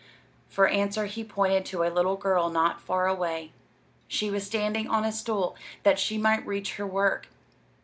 For answer he pointed to a little girl not far away. She was standing on a stool, that she might reach her work.